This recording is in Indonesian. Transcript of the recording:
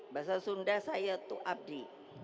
bahasa sunda saya itu abdi